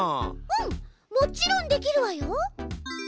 うんもちろんできるわよ。